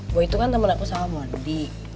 boy itu kan temen aku sama mondi